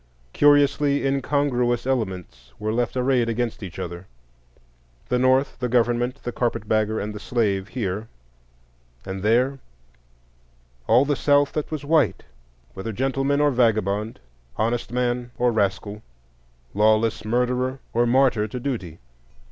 Curiously incongruous elements were left arrayed against each other,—the North, the government, the carpet bagger, and the slave, here; and there, all the South that was white, whether gentleman or vagabond, honest man or rascal, lawless murderer or martyr to duty.